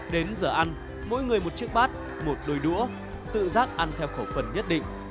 đến giờ ăn mỗi người một chiếc bát một đôi đũa tự giác ăn theo khẩu phần nhất định